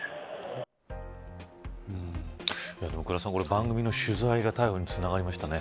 番組の取材が逮捕につながりましたね。